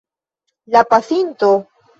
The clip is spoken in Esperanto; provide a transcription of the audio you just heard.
La pasinto?